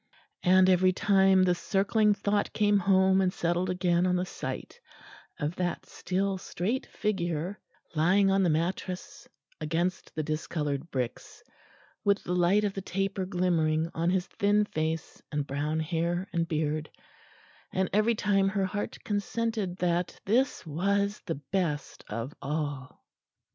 And every time the circling thought came home and settled again on the sight of that still straight figure lying on the mattress, against the discoloured bricks, with the light of the taper glimmering on his thin face and brown hair and beard; and every time her heart consented that this was the best of all.